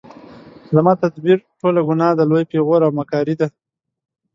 زما تدبیر ټوله ګناه ده لوی پیغور او مکاري ده